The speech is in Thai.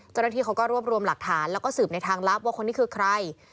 เจ้าหน้าที่เขาก็รวบรวมหลักฐานแล้วก็สืบในทางลับว่าคนนี้คือใคร